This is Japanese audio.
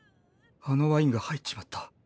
あのワインが入っちまった。